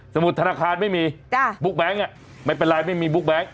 สมมุติธนาคารไม่มีบุ๊คแบงค์น่ะไม่เป็นไรไม่มีบุ๊คแบงค์